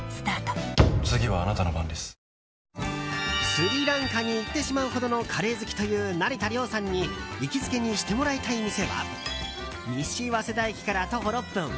スリランカに行ってしまうほどのカレー好きという成田凌さんに行きつけにしてもらいたい店は西早稲田駅から徒歩６分